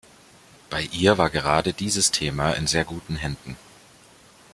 Bei ihr war gerade dieses Thema in sehr guten Händen.